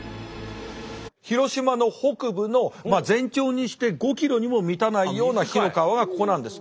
広島の北部の全長にして５キロにも満たないような火の川はここなんです。